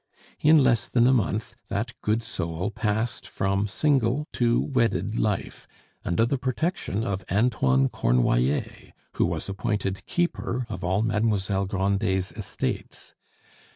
In less than a month that good soul passed from single to wedded life under the protection of Antoine Cornoiller, who was appointed keeper of all Mademoiselle Grandet's estates.